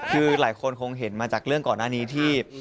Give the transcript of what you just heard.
คือหลายคนคงเห็นมาจากเรื่องก่อนหน้านี้ที่